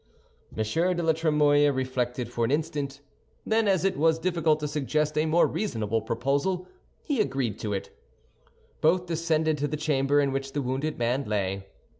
M. de la Trémouille reflected for an instant; then as it was difficult to suggest a more reasonable proposal, he agreed to it. Both descended to the chamber in which the wounded man lay.